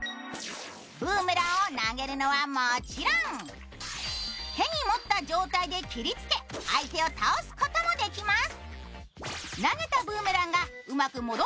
ブーメランを投げるのはもちろん、手に持った状態で切りつけ相手を倒すこともできます。